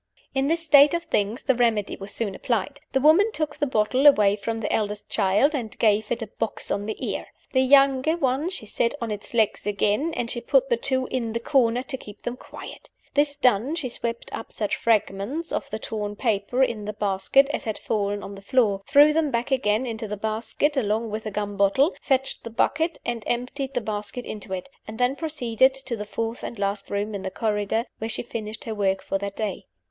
In this state of things the remedy was soon applied. The woman took the bottle away from the eldest child, and gave it a "box on the ear." The younger one she set on its legs again, and she put the two "in the corner" to keep them quiet. This done, she swept up such fragments of the torn paper in the basket as had fallen on the floor; threw them back again into the basket, along with the gum bottle; fetched the bucket, and emptied the basket into it; and then proceeded to the fourth and last room in the corridor, where she finished her work for that day.